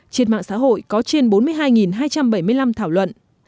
trên mạng xã hội có trên bốn mươi hai hai trăm bảy mươi năm thảo luận